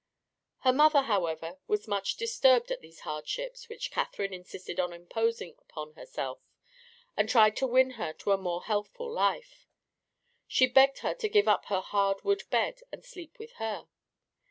Her mother, however, was much disturbed at these hardships which Catherine insisted on imposing upon herself, and tried to win her to a more healthful life. She begged her to give up her hard wood bed and sleep with her.